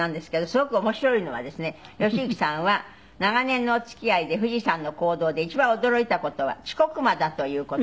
すごく面白いのはですね吉行さんは長年のお付き合いで冨士さんの行動で一番驚いた事は遅刻魔だという事。